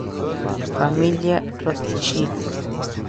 Familia Rothschild